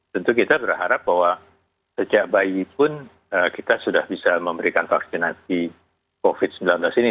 tentu kita berharap bahwa sejak bayi pun kita sudah bisa memberikan vaksinasi covid sembilan belas ini